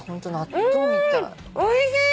んおいしい！